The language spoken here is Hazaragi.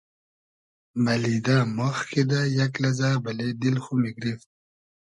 مئلیدۂ ماخ کیدۂ یئگ لئزۂ بئلې دیل خو میگریفت